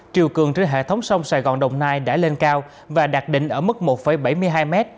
triều cường trên hệ thống sông sài gòn đồng nai đã lên cao và đạt đỉnh ở mức một bảy mươi hai m